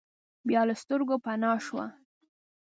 بیا له سترګو پناه شوه.